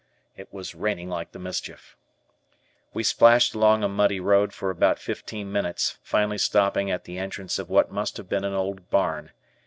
It was raining like the mischief. We splashed along a muddy road for about fifteen minutes, finally stopping at the entrance of what must have been an old barn.